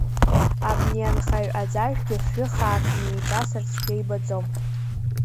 Абни анхаҩ аӡажәгьы фҩы хаак неиҿасыр цәгьа ибаӡом…